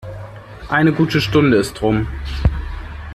Eine gute Stunde ist rum.